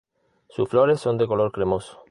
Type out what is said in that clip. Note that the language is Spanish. Sus flores son de color cremoso.